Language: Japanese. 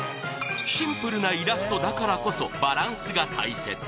シンプルなイラストだからこそバランスが大切